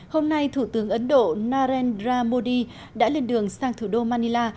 hôm nay thủ tướng ấn độ narendra modi đã lên đường sang thủ đô manila